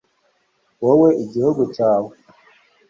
wowe n'igihugu cyawe